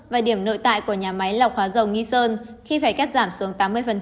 và điểm nội tại của nhà máy lọc hóa dầu nghi sơn khi phải cắt giảm xuống tám mươi